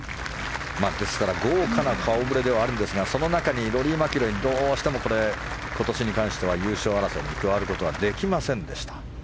豪華な顔ぶれではあるんですがその中でローリー・マキロイどうしても今年に関しては優勝争いに加わることはできませんでした。